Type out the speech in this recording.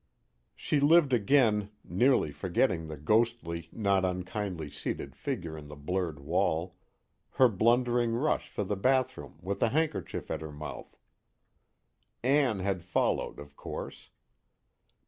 _ She lived again (nearly forgetting the ghostly, not unkindly seated figure in the blurred wall) her blundering rush for the bathroom with a handkerchief at her mouth. Ann had followed, of course.